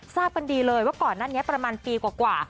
ทราบกันดีเลยว่าก่อนหน้านี้ประมาณปีกว่า